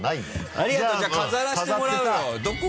ありがとうじゃあ飾らせてもらうよ。